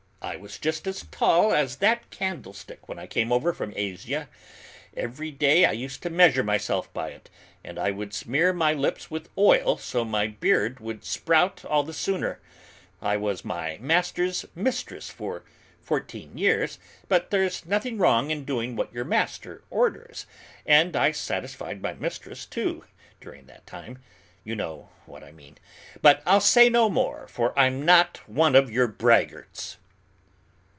I was just as tall as that candlestick when I came over from Asia; every day I used to measure myself by it, and I would smear my lips with oil so my beard would sprout all the sooner. I was my master's 'mistress' for fourteen years, for there's nothing wrong in doing what your master orders, and I satisfied my mistress, too, during that time, you know what I mean, but I'll say no more, for I'm not one of your braggarts!"